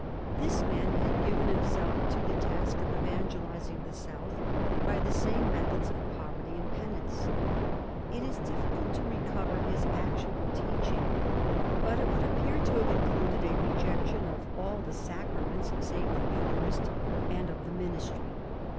This man had given himself to the task of evangelising the south by the same methods of poverty and penance. It is difficult to recover his actual teach ing, but it would appear to have included a rejection of all the sacraments save the Eucharist, and of the ministry.